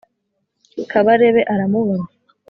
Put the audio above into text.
Kabarebe aramubona